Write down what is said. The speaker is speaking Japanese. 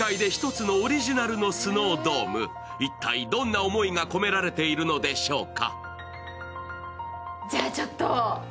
一体どんな思いが込められているんでしょうか？